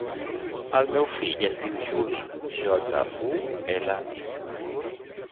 El meu fill es diu Juli: jota, u, ela, i.